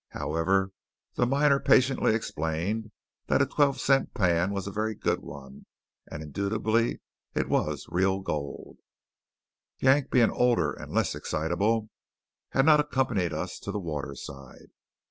However, the miner patiently explained that a twelve cent pan was a very good one; and indubitably it was real gold. Yank, being older and less excitable, had not accompanied us to the waterside.